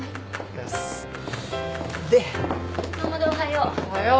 衛おはよう。